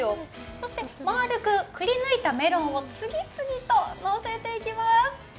そして丸くくり抜いたメロンを次々とのせていきます。